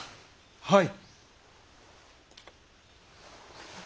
はい。